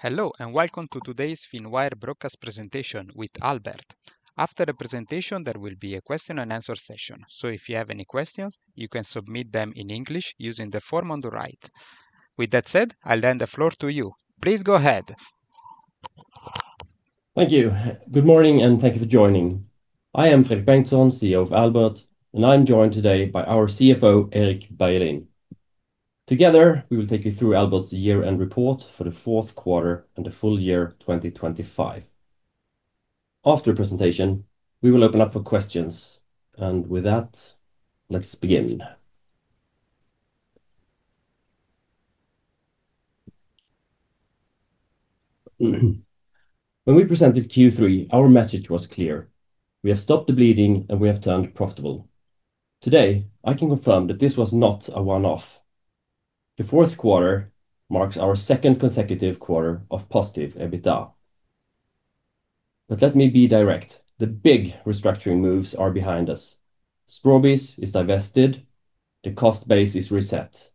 Hello, welcome to today's Finwire Broadcast presentation with Albert. After the presentation, there will be a question and answer session. If you have any questions, you can submit them in English using the form on the right. With that said, I'll hand the floor to you. Please go ahead. Thank you. Good morning, thank you for joining. I am Fredrik Bengtsson, CEO of Albert. I'm joined today by our CFO, Erik Bergelin. Together, we will take you through Albert's year-end report for the fourth quarter and the full year 2025. After the presentation, we will open up for questions. With that, let's begin. When we presented Q3, our message was clear: We have stopped the bleeding. We have turned profitable. Today, I can confirm that this was not a one-off. The fourth quarter marks our second consecutive quarter of positive EBITDA. Let me be direct. The big restructuring moves are behind us. Strawbees is divested, the cost base is reset.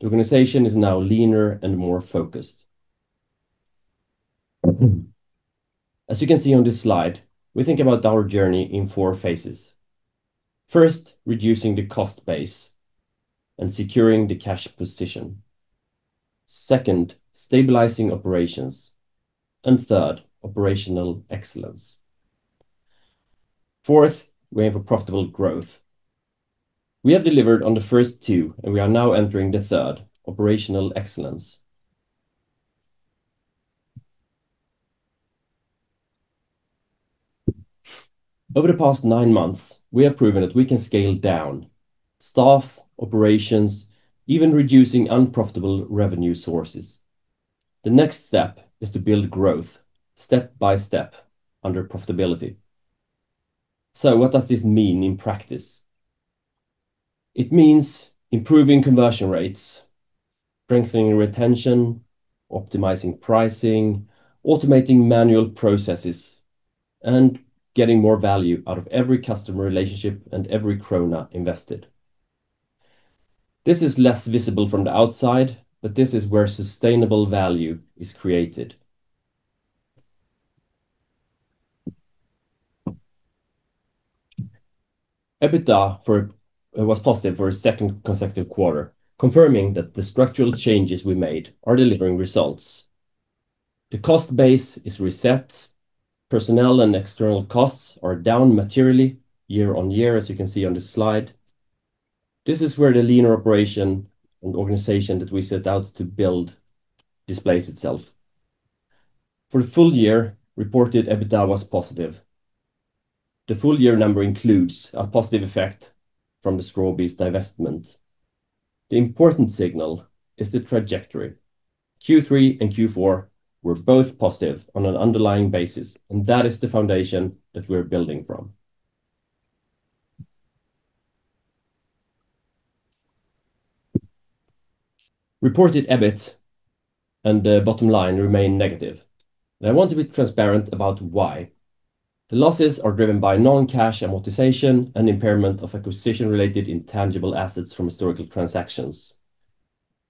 The organization is now leaner and more focused. As you can see on this slide, we think about our journey in four phases. First, reducing the cost base and securing the cash position. Second, stabilizing operations, and third, operational excellence. Fourth, going for profitable growth. We have delivered on the first two, and we are now entering the third, operational excellence. Over the past nine months, we have proven that we can scale down staff, operations, even reducing unprofitable revenue sources. The next step is to build growth step by step under profitability. What does this mean in practice? It means improving conversion rates, strengthening retention, optimizing pricing, automating manual processes, and getting more value out of every customer relationship and every krona invested. This is less visible from the outside, but this is where sustainable value is created. EBITDA was positive for a second consecutive quarter, confirming that the structural changes we made are delivering results. The cost base is reset, personnel and external costs are down materially year-on-year, as you can see on this slide. This is where the leaner operation and organization that we set out to build displays itself. For the full year, reported EBITDA was positive. The full year number includes a positive effect from the Strawbees divestment. The important signal is the trajectory. Q3 and Q4 were both positive on an underlying basis, that is the foundation that we're building from. Reported EBIT and the bottom line remain negative. I want to be transparent about why. The losses are driven by non-cash amortization and impairment of acquisition-related intangible assets from historical transactions.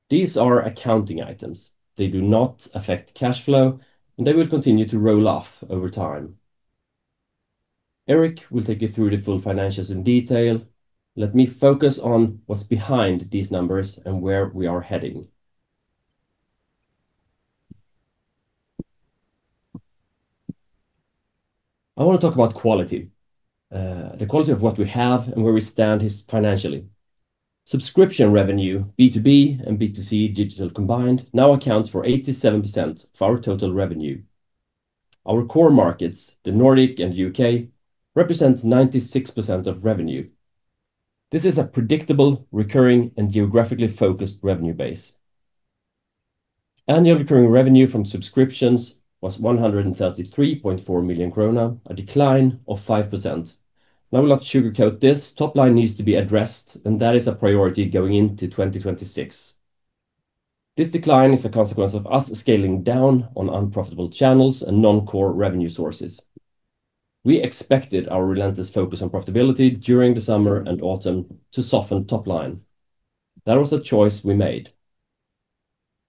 These are accounting items. They do not affect cash flow, and they will continue to roll off over time. Erik will take you through the full financials in detail. Let me focus on what's behind these numbers and where we are heading. I want to talk about quality, the quality of what we have and where we stand financially. Subscription revenue, B2B and B2C digital combined, now accounts for 87% of our total revenue. Our core markets, the Nordics and U.K., represent 96% of revenue. This is a predictable, recurring, and geographically focused revenue base. ARR from subscriptions was 133.4 million krona, a decline of 5%. Now, I will not sugarcoat this. Top line needs to be addressed, and that is a priority going into 2026. This decline is a consequence of us scaling down on unprofitable channels and non-core revenue sources. We expected our relentless focus on profitability during the summer and autumn to soften the top line. That was a choice we made.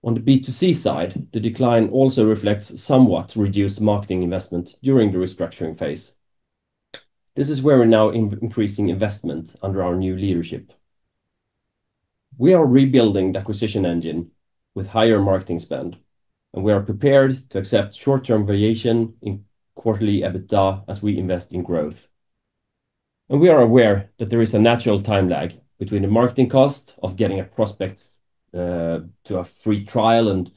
On the B2C side, the decline also reflects somewhat reduced marketing investment during the restructuring phase. This is where we're now increasing investment under our new leadership. We are rebuilding the acquisition engine with higher marketing spend. We are prepared to accept short-term variation in quarterly EBITDA as we invest in growth. We are aware that there is a natural time lag between the marketing cost of getting a prospect to a free trial and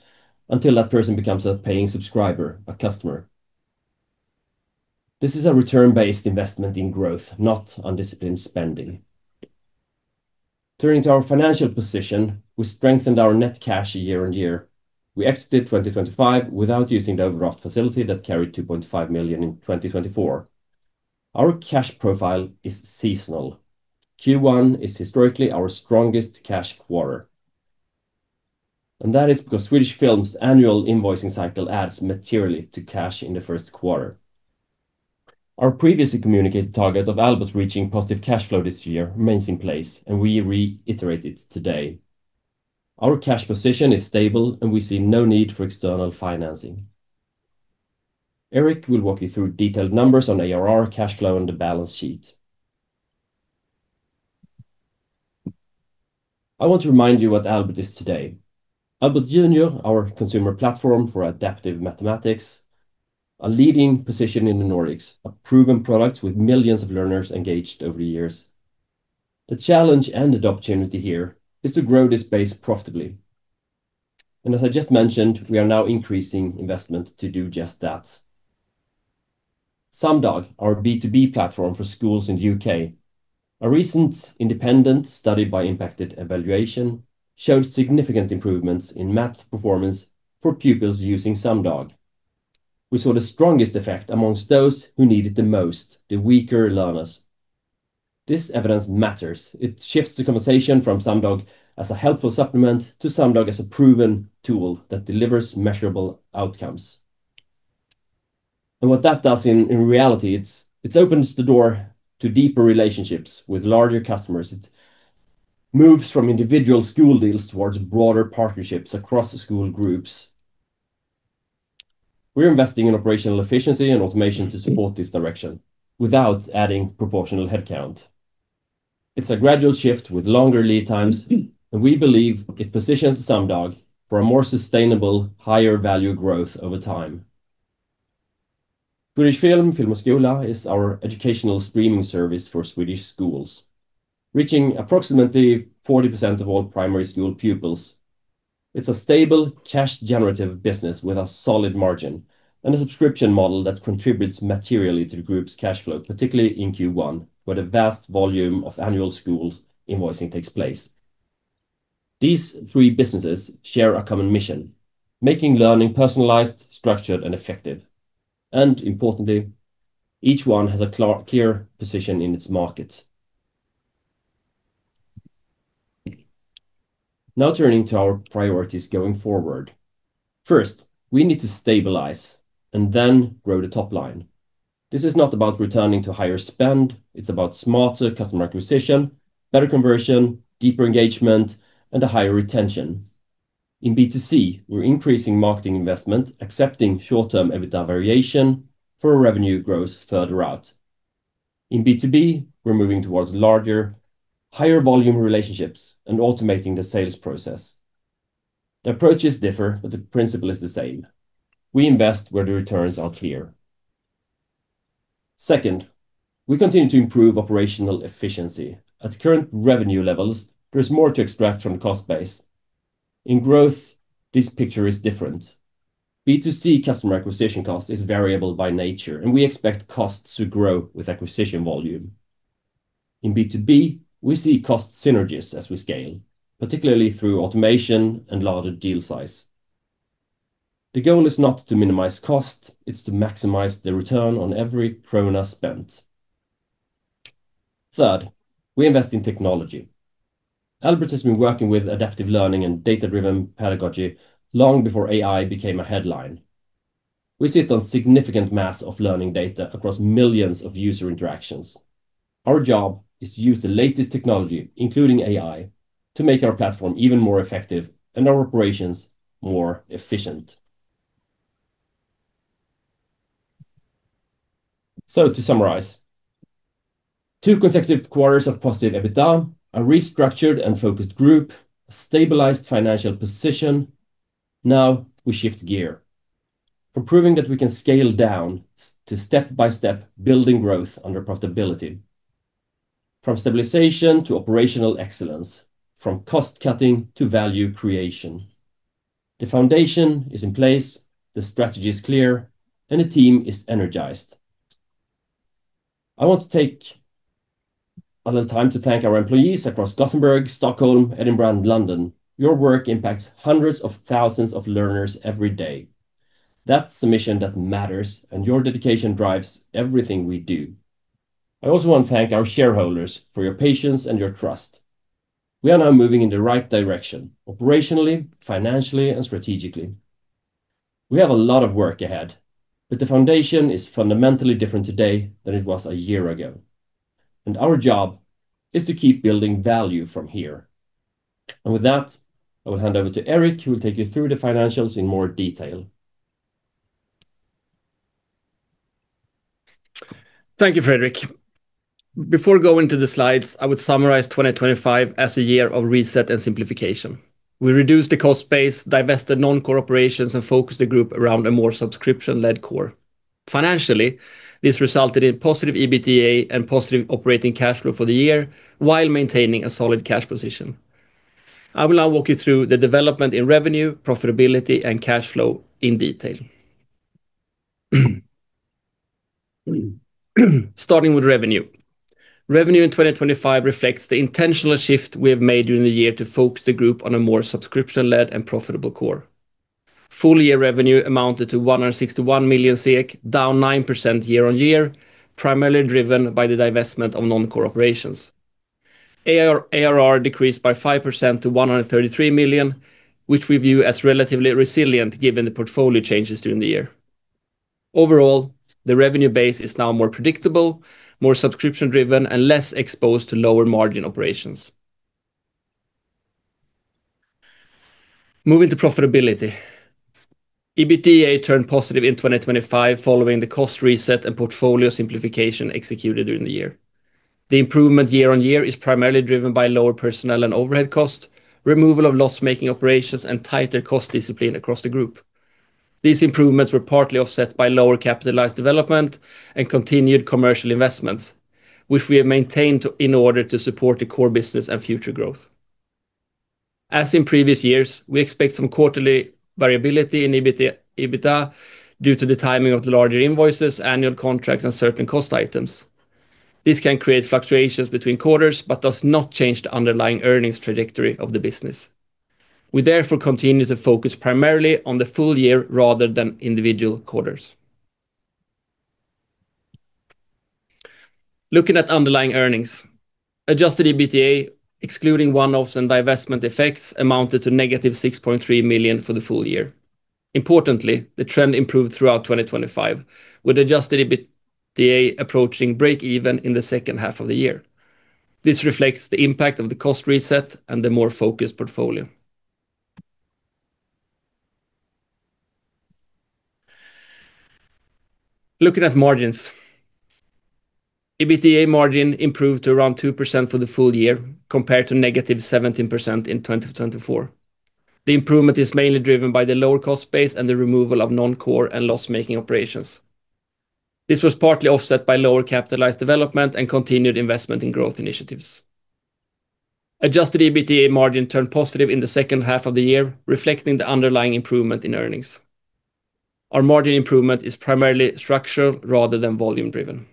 until that person becomes a paying subscriber, a customer. This is a return-based investment in growth, not undisciplined spending. Turning to our financial position, we strengthened our net cash year on year. We exited 2025 without using the overdraft facility that carried 2.5 million in 2024. Our cash profile is seasonal. Q1 is historically our strongest cash quarter. That is because Swedish films annual invoicing cycle adds materially to cash in the first quarter. Our previously communicated target of Albert reaching positive cash flow this year remains in place. We reiterate it today. Our cash position is stable. We see no need for external financing. Erik Bergelin will walk you through detailed numbers on ARR cash flow and the balance sheet. I want to remind you what Albert is today. Albert Junior, our consumer platform for adaptive mathematics, a leading position in the Nordics, a proven product with millions of learners engaged over the years. The challenge and the opportunity here is to grow this base profitably. As I just mentioned, we are now increasing investment to do just that. Sumdog, our B2B platform for schools in the U.K. A recent independent study by ImpactEd Evaluation showed significant improvements in math performance for pupils using Sumdog. We saw the strongest effect amongst those who need it the most, the weaker learners. This evidence matters. It shifts the conversation from Sumdog as a helpful supplement to Sumdog as a proven tool that delivers measurable outcomes. What that does in, in reality, it's, it opens the door to deeper relationships with larger customers. It moves from individual school deals towards broader partnerships across the school groups. We're investing in operational efficiency and automation to support this direction without adding proportional headcount. It's a gradual shift with longer lead times, and we believe it positions Sumdog for a more sustainable, higher value growth over time. Swedish Film Film och Skola is our educational streaming service for Swedish schools, reaching approximately 40% of all primary school pupils. It's a stable, cash-generative business with a solid margin and a subscription model that contributes materially to the group's cash flow, particularly in Q1, where the vast volume of annual school invoicing takes place. These three businesses share a common mission: making learning personalized, structured, and effective, and importantly, each one has a clear position in its market. Turning to our priorities going forward. First, we need to stabilize and then grow the top line. This is not about returning to higher spend. It's about smarter customer acquisition, better conversion, deeper engagement, and a higher retention. In B2C, we're increasing marketing investment, accepting short-term EBITDA variation for a revenue growth further out. In B2B, we're moving towards larger, higher volume relationships and automating the sales process. The approaches differ, but the principle is the same. We invest where the returns are clear. Second, we continue to improve operational efficiency. At current revenue levels, there is more to extract from the cost base. In growth, this picture is different. B2C, customer acquisition cost is variable by nature. We expect costs to grow with acquisition volume. In B2B, we see cost synergies as we scale, particularly through automation and larger deal size. The goal is not to minimize cost, it's to maximize the return on every krona spent. Third, we invest in technology. Albert has been working with adaptive learning and data-driven pedagogy long before AI became a headline. We sit on significant mass of learning data across millions of user interactions. Our job is to use the latest technology, including AI, to make our platform even more effective and our operations more efficient. To summarize, two consecutive quarters of positive EBITDA, a restructured and focused group, a stabilized financial position. Now, we shift gear. From proving that we can scale down to step-by-step building growth under profitability, from stabilization to operational excellence, from cost cutting to value creation. The foundation is in place, the strategy is clear, and the team is energized. I want to take a little time to thank our employees across Gothenburg, Stockholm, Edinburgh, and London. Your work impacts hundreds of thousands of learners every day. That's the mission that matters, and your dedication drives everything we do. I also want to thank our shareholders for your patience and your trust. We are now moving in the right direction operationally, financially, and strategically. We have a lot of work ahead, but the foundation is fundamentally different today than it was a year ago, and our job is to keep building value from here. With that, I will hand over to Erik Bergelin, who will take you through the financials in more detail. Thank you, Fredrik. Before going to the slides, I would summarize 2025 as a year of reset and simplification. We reduced the cost base, divested non-core operations, and focused the group around a more subscription-led core. Financially, this resulted in positive EBITDA and positive operating cash flow for the year while maintaining a solid cash position. I will now walk you through the development in revenue, profitability, and cash flow in detail. Starting with revenue. Revenue in 2025 reflects the intentional shift we have made during the year to focus the group on a more subscription-led and profitable core. Full-year revenue amounted to 161 million SEK, down 9% year-over-year, primarily driven by the divestment of non-core operations. ARR decreased by 5% to 133 million, which we view as relatively resilient given the portfolio changes during the year. Overall, the revenue base is now more predictable, more subscription-driven, and less exposed to lower margin operations. Moving to profitability. EBITDA turned positive in 2025 following the cost reset and portfolio simplification executed during the year. The improvement year-on-year is primarily driven by lower personnel and overhead costs, removal of loss-making operations, and tighter cost discipline across the group. These improvements were partly offset by lower capitalized development and continued commercial investments, which we have maintained in order to support the core business and future growth. As in previous years, we expect some quarterly variability in EBITDA due to the timing of the larger invoices, annual contracts, and certain cost items. This can create fluctuations between quarters, but does not change the underlying earnings trajectory of the business. We therefore continue to focus primarily on the full year rather than individual quarters. Looking at underlying earnings. Adjusted EBITDA, excluding one-offs and divestment effects, amounted to -6.3 million for the full year. Importantly, the trend improved throughout 2025, with Adjusted EBITDA approaching break even in the second half of the year. This reflects the impact of the cost reset and the more focused portfolio. Looking at margins. EBITDA margin improved to around 2% for the full year, compared to -17% in 2024. The improvement is mainly driven by the lower cost base and the removal of non-core and loss-making operations. This was partly offset by lower capitalized development and continued investment in growth initiatives. Adjusted EBITDA margin turned positive in the second half of the year, reflecting the underlying improvement in earnings. Our margin improvement is primarily structural rather than volume driven.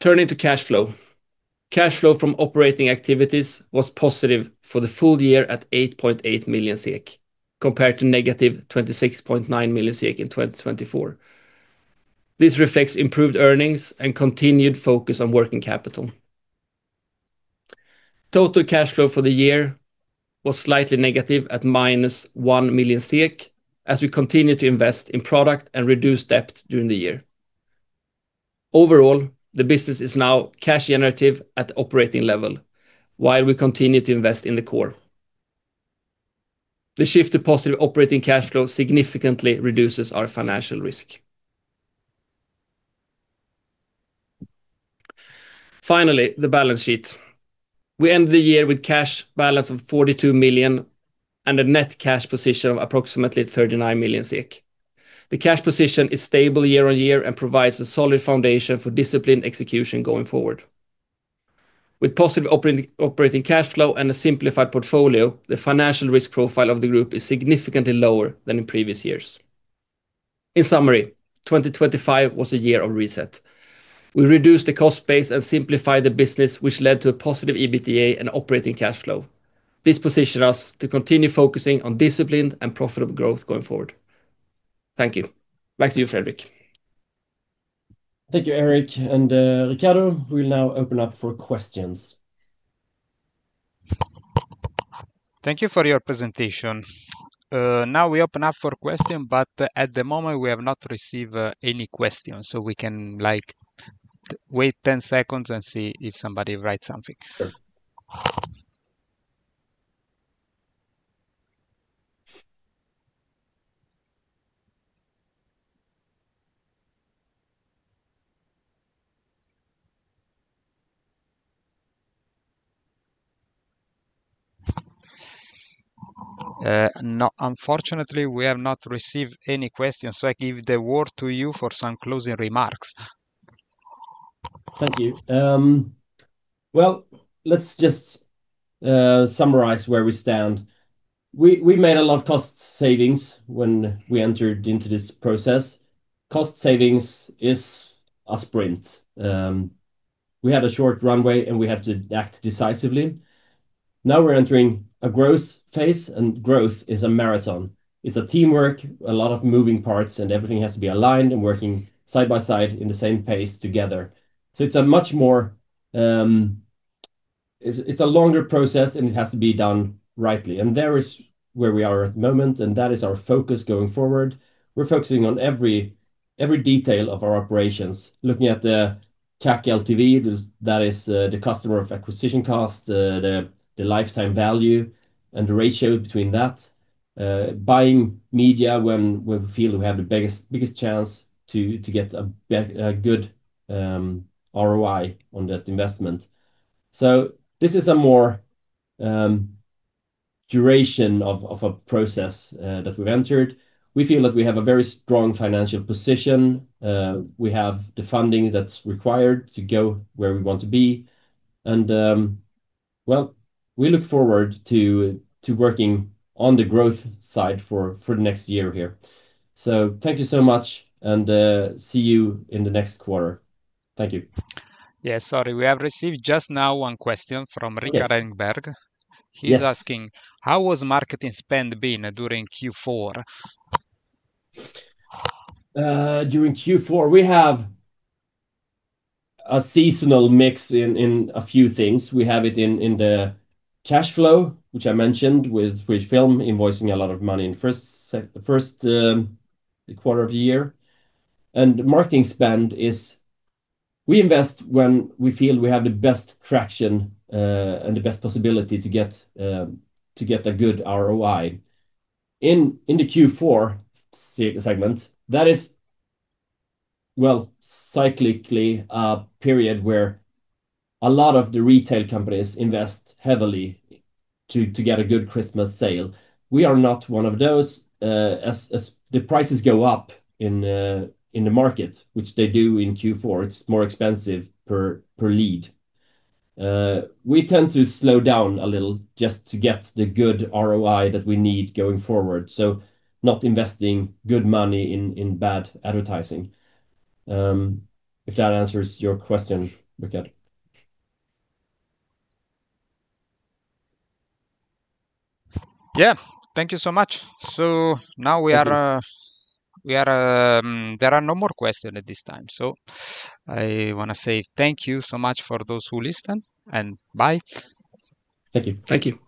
Turning to cash flow. Cash flow from operating activities was positive for the full year at 8.8 million SEK, compared to negative 26.9 million SEK in 2024. This reflects improved earnings and continued focus on working capital. Total cash flow for the year was slightly negative at -1 million SEK, as we continue to invest in product and reduce debt during the year. Overall, the business is now cash generative at the operating level, while we continue to invest in the core. The shift to positive operating cash flow significantly reduces our financial risk. Finally, the balance sheet. We ended the year with cash balance of 42 million and a net cash position of approximately 39 million. The cash position is stable year-over-year and provides a solid foundation for disciplined execution going forward. With positive operating, operating cash flow and a simplified portfolio, the financial risk profile of the group is significantly lower than in previous years. In summary, 2025 was a year of reset. We reduced the cost base and simplified the business, which led to a positive EBITDA and operating cash flow. This positions us to continue focusing on disciplined and profitable growth going forward. Thank you. Back to you, Fredrik. Thank you, Erik and Riccardo. We will now open up for questions. Thank you for your presentation. Now we open up for question. At the moment, we have not received any questions. We can wait 10 seconds and see if somebody writes something. Sure. No, unfortunately, we have not received any questions, so I give the word to you for some closing remarks. Thank you. Well, let's just summarize where we stand. We, we made a lot of cost savings when we entered into this process. Cost savings is a sprint. We had a short runway, we had to act decisively. Now we're entering a growth phase, growth is a marathon. It's a teamwork, a lot of moving parts, everything has to be aligned and working side by side in the same pace together. It's a much more, it's, it's a longer process, and it has to be done rightly, and there is where we are at the moment, and that is our focus going forward. We're focusing on every, every detail of our operations, looking at the CAC LTV, this, that is, the customer acquisition cost, the, the, the lifetime value, and the ratio between that. Buying media when, when we feel we have the biggest, biggest chance to, to get a good ROI on that investment. This is a more duration of a process that we've entered. We feel that we have a very strong financial position. We have the funding that's required to go where we want to be, and, well, we look forward to working on the growth side for the next year here. Thank you so much, and see you in the next quarter. Thank you. Yeah, sorry, we have received just now one question from Rickard Engberg. Yes. He's asking: "How was marketing spend been during Q4? During Q4, we have a seasonal mix in, in a few things. We have it in, in the cash flow, which I mentioned, with, with film invoicing a lot of money in first quarter of the year. Marketing spend is. We invest when we feel we have the best traction and the best possibility to get a good ROI. In, in the Q4 segment, that is, well, cyclically a period where a lot of the retail companies invest heavily to, to get a good Christmas sale. We are not one of those. As, as the prices go up in, in the market, which they do in Q4, it's more expensive per, per lead. We tend to slow down a little just to get the good ROI that we need going forward, so not investing good money in, in bad advertising. If that answers your question, Riccardo. Yeah. Thank you so much. Now we are- Thank you. we are, there are no more questions at this time, so I wanna say thank you so much for those who listened, and bye. Thank you. Thank you.